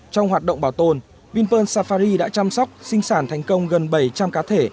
trong hoạt động bảo tồn vinpearl safari đã chăm sóc sinh sản thành công gần bảy trăm linh cá thể